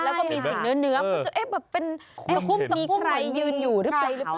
แล้วก็มีสิ่งเนื้อคุณจะแบบเป็นมีใครยืนอยู่หรือเปล่า